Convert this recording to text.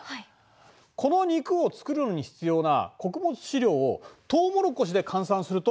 この肉を作るのに必要な穀物飼料をトウモロコシで換算すると。